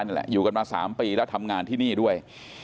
อยู่กันมา๓ปีแล้วทำงานที่นี่ด้วย